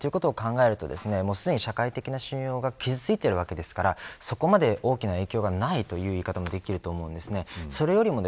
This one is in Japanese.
ということ考えるとすでに社会的な信用が傷ついているわけですからそこまで大きな影響はないという言い方もできると思うんです。